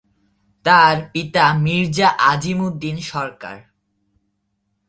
তার পিতা মির্জা আজিম উদ্দীন সরকার।